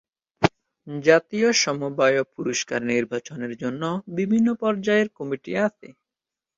জাতীয় সমবায় পুরস্কার নির্বাচনের জন্য বিভিন্ন পর্যায়ের কমিটি আছে।